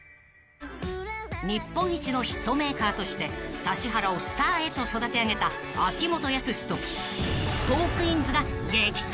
［日本一のヒットメーカーとして指原をスターへと育て上げた秋元康とトークィーンズが激突！］